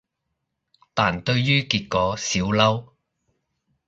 但對於結果少嬲